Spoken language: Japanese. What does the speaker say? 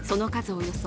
およそ